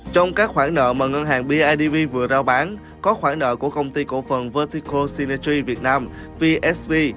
trong các khoản nợ mà ngân hàng bidv vừa rao bán có khoản nợ của công ty cổ phần vertical synergy việt nam vsv